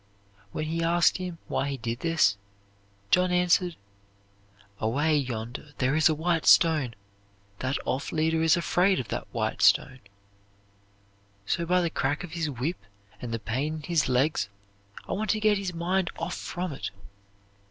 When he asked him why he did this, John answered: "Away yonder there is a white stone; that off leader is afraid of that stone; so by the crack of my whip and the pain in his legs I want to get his mind off from it."